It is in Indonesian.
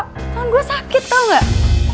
tangan gue sakit tau gak